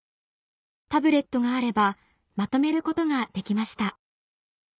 タブレットがあればまとめることができました